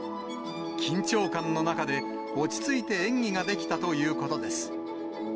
緊張感の中で、落ち着いて演技ができたということです。